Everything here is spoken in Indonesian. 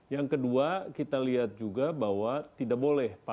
yang kedua kita lihat juga bahwa tidak boleh